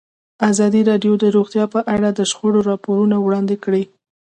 ازادي راډیو د روغتیا په اړه د شخړو راپورونه وړاندې کړي.